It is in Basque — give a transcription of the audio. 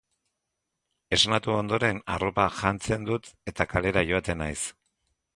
Esnatu ondoren arropa jantzen dut eta kalera joaten naiz